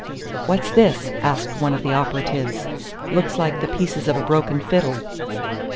"What's this?" asked one of the operatives. "Looks like the pieces of a broken fiddle."